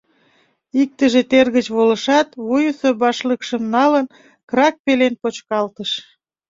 Иктыже тер гыч волышат, вуйысо башлыкшым налын, крак пелен почкалтыш.